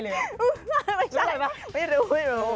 ไม่ใช่ไม่รู้โอ๊ย